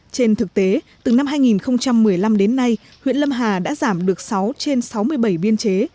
trên thực tế từ năm hai nghìn một mươi năm đến nay huyện lâm hà đã giảm được sáu trên sáu mươi bảy biên chế